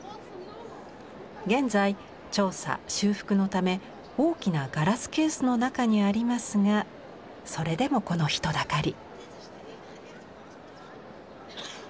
現在調査修復のため大きなガラスケースの中にありますがそれでもこの人だかり。